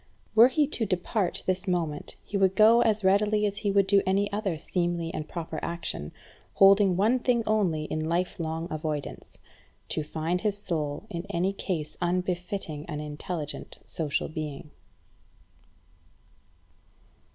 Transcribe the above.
Were he to depart this moment he would go as readily as he would do any other seemly and proper action, holding one thing only in life long avoidance to find his soul in any case unbefitting an intelligent social being.